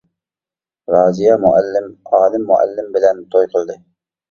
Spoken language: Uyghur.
رازىيە مۇئەللىم ئالىم مۇئەللىم بىلەن توي قىلدى.